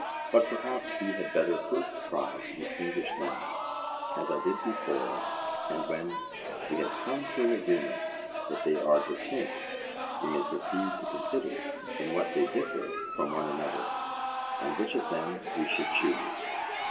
But perhaps we had better first try to distinguish them, as I did before, and when we have come to an agreement that they are distinct, we may proceed to consider in what they differ from one another, and which of them we should choose.